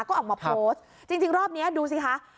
ก็ออกมาโพสต์จริงรอบนี้ดูสิคะ